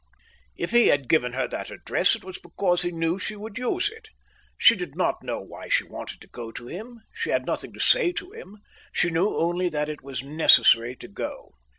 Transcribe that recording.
If he had given her that address, it was because he knew she would use it. She did not know why she wanted to go to him; she had nothing to say to him; she knew only that it was necessary to go.